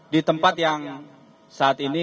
di tempat yang saat ini